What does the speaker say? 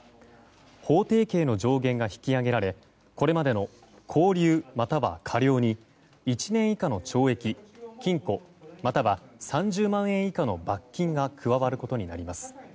法定刑の上限が引き上げられこれまでの拘留または科料に１年以下の懲役・禁錮または３０万円以下の罰金が加わることになります。